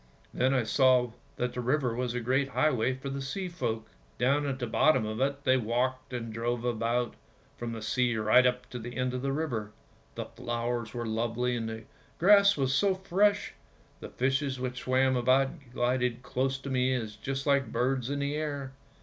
" Then I saw that the river was a great highway for the sea folk. Down at the bottom of it they walked and drove about, from the sea right up to the end of the river. The flowers were lovely and the grass was so fresh; the fishes which swam about glided close to me just like birds in the air.